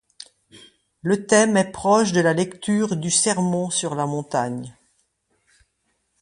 Le thème est proche de la lecture du Sermon sur la montagne.